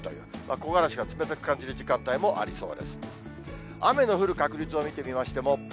木枯らしが冷たく感じられる時間帯もありそうです。